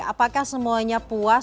apakah semuanya puas